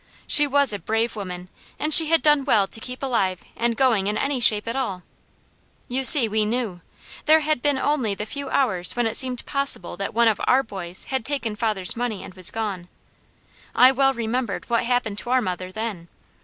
She was a brave woman, and she had done well to keep alive and going in any shape at all. You see we knew. There had been only the few hours when it seemed possible that one of our boys had taken father's money and was gone. I well remembered what happened to our mother then.